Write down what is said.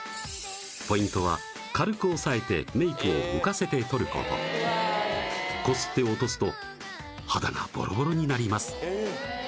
ポイントは軽く押さえてメイクを浮かせて取ることこすって落とすと肌がボロボロになります